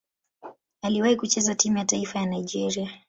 Aliwahi kucheza timu ya taifa ya Nigeria.